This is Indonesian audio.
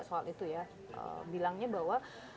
soal itu ya bilangnya bahwa